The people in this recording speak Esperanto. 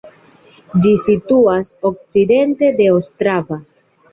Ĝi situas okcidente de Ostrava.